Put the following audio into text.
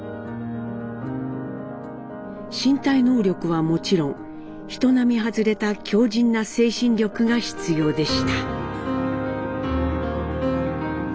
身体能力はもちろん人並み外れた強靱な精神力が必要でした。